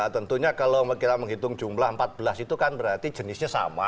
tentunya kalau kita menghitung jumlah empat belas itu kan berarti jenisnya sama